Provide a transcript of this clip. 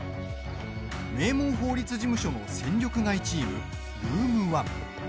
名門法律事務所の戦力外チーム、ルーム１。